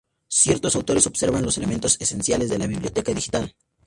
Ciertos autores observan los elementos esenciales de la biblioteca digital.